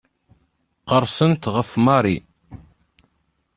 Qerrsent ɣef Mary.